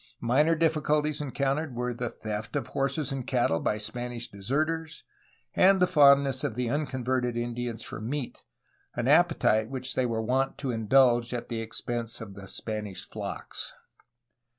Minor difficulties encountered were the theft of horses and cattle by Spanish deserters and the fondness of the unconverted Indians for meat, an appetite which they were wont to indulge at the expense of the Spanish flocks.